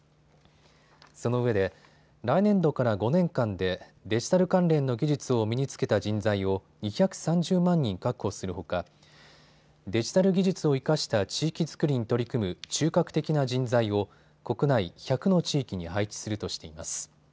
そのうえで来年度から５年間でデジタル関連の技術を身につけた人材を２３０万人確保するほかデジタル技術を生かした地域作り取り組む中核的な人材を国内１００の地域に配置するとしています。